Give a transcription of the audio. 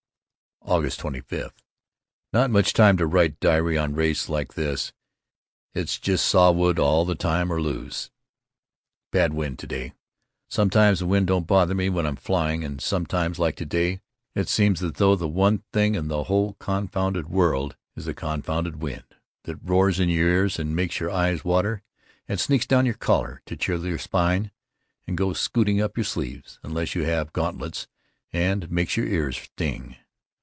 August 25: Not much time to write diary on race like this, it's just saw wood all the time or lose. Bad wind to day. Sometimes the wind don't bother me when I am flying, and sometimes, like to day, it seems as though the one thing in the whole confounded world is the confounded wind that roars in your ears and makes your eyes water and sneaks down your collar to chill your spine and goes scooting up your sleeves, unless you have gauntlets, and makes your ears sting.